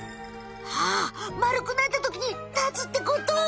はあ丸くなったときにたつってこと！